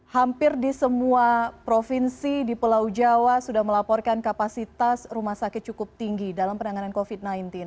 hampir di semua provinsi di pulau jawa sudah melaporkan kapasitas rumah sakit cukup tinggi dalam penanganan covid sembilan belas